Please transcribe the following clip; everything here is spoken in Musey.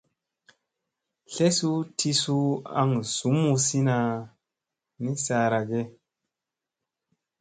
Tlesu ti suu aŋ zumsina ni saara ge ?